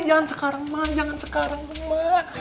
jangan sekarang ma jangan sekarang ma